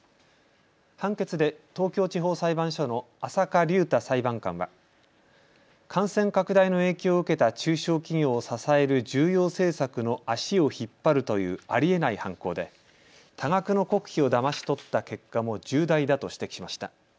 判決で東京地方裁判所の浅香竜太裁判官は感染拡大の影響を受けた中小企業を支える重要政策の足を引っ張るというありえない犯行で多額の国費をだまし取った結果も重大だと指摘しました。